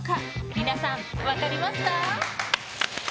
皆さん、分かりますか？